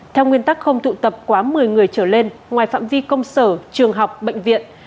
theo nguyên tắc không tụ tập quá một mươi người trở lên ngoài phạm vi công sở trường học bệnh viện